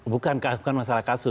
bukan bukan masalah kasus